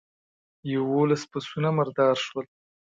يوولس پسونه مردار شول.